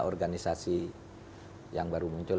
asosiasi yang baru muncul